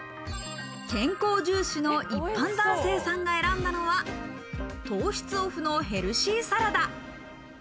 健康重視の一般男性さんが選んだのは、糖質オフのヘルシーサラダ。